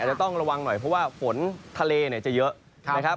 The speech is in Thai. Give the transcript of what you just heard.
จะต้องระวังหน่อยเพราะว่าฝนทะเลจะเยอะนะครับ